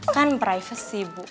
kan privasi bu